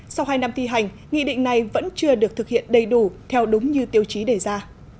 sau hai năm thi hành nghị định này vẫn chưa được thực hiện đầy đủ theo đúng như tiêu chí đề ra